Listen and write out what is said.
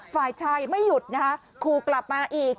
ฝ่ายชายไม่หยุดนะคะขู่กลับมาอีก